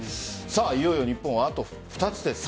いよいよ日本はあと２つです。